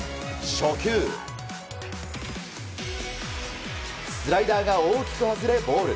初球、スライダーが大きく外れボール。